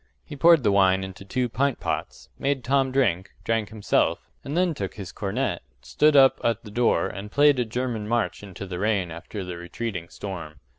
He poured the wine into two pint pots, made Tom drink, drank himself, and then took his cornet, stood up at the door, and played a German march into the rain after the retreating storm.